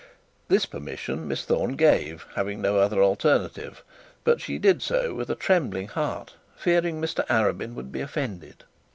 This permission Miss Thorne gave, having no other alternative; but she did so with a trembling heart, fearing Mr Arabin would be offended.